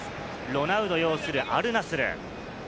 ロナウド擁するアルナスル。